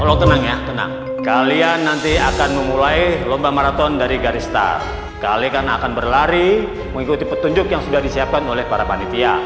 tenang kalian nanti akan memulai lomba maraton dari garista kalian akan berlari mengikuti petunjuk yang sudah disiapkan oleh para panitia